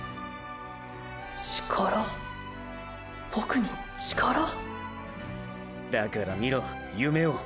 ボクに力⁉だから見ろ夢を。